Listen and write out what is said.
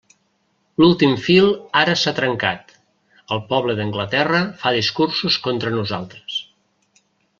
L'últim fil ara s'ha trencat, el poble d'Anglaterra fa discursos contra nosaltres.